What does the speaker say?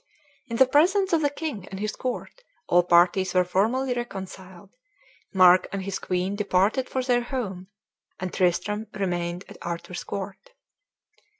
In the presence of the king and his court all parties were formally reconciled; Mark and his queen departed for their home, and Tristram remained at Arthur's court.